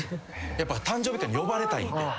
やっぱ誕生日会に呼ばれたいんで。